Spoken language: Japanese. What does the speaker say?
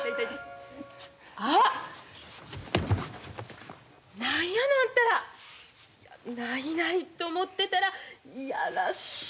あっ何やのあんたら。ないないと思ってたら嫌らしい。